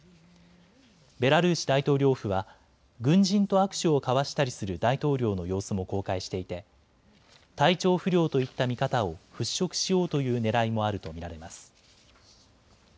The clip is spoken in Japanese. ベラルーシ大統領府は軍人と握手を交わしたりする大統領の様子も公開していて体調不良といった見方を払拭しようというねらいもあると見られます。